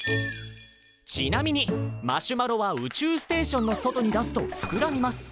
ちなみにマシュマロは宇宙ステーションの外に出すとふくらみます。